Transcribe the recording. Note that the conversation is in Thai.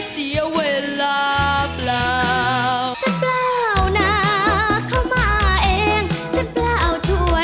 ทีมที่ชนะคือทีม